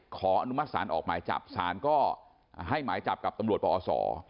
ขออนุมัติศาลออกหมายจับสารก็ให้หมายจับกับตำรวจปอศ